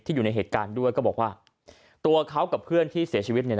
อยู่ในเหตุการณ์ด้วยก็บอกว่าตัวเขากับเพื่อนที่เสียชีวิตเนี่ย